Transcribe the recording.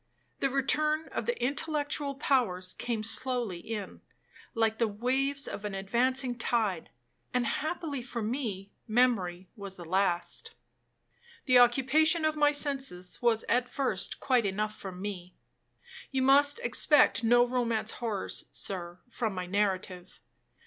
The return of the intellectual powers came slowly in, like the waves of an advancing tide, and happily for me memory was the last,—the occupation of my senses was at first quite enough for me. You must expect no romance horrors, Sir, from my narrative.